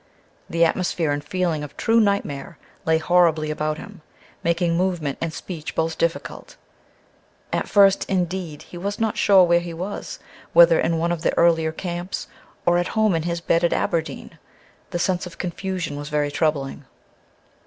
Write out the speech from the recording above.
The atmosphere and feeling of true nightmare lay horribly about him, making movement and speech both difficult. At first, indeed, he was not sure where he was whether in one of the earlier camps, or at home in his bed at Aberdeen. The sense of confusion was very troubling.